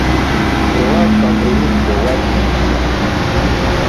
Poâ Kamerun bə́ wáp kuŋ fa'.